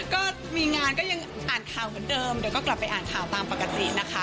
ก็มีงานก็ยังอ่านข่าวเหมือนเดิมเดี๋ยวก็กลับไปอ่านข่าวตามปกตินะคะ